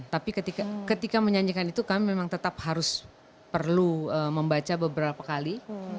tapi ketika menyanyikan itu kami memang tetap harus perlu membaca beberapa kali